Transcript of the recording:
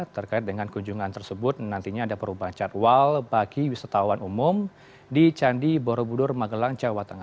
terkait dengan kunjungan tersebut nantinya ada perubahan jadwal bagi wisatawan umum di candi borobudur magelang jawa tengah